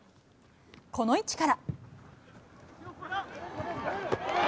この位置から。